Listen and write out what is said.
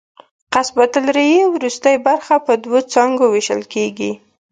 قصبة الریې وروستۍ برخه په دوو څانګو وېشل کېږي.